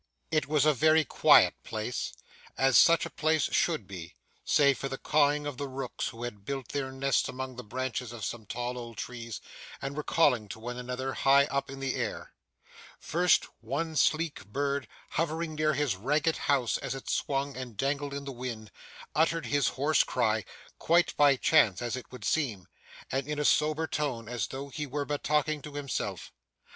It was a very quiet place, as such a place should be, save for the cawing of the rooks who had built their nests among the branches of some tall old trees, and were calling to one another, high up in the air. First, one sleek bird, hovering near his ragged house as it swung and dangled in the wind, uttered his hoarse cry, quite by chance as it would seem, and in a sober tone as though he were but talking to himself.